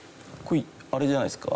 あれじゃないですか？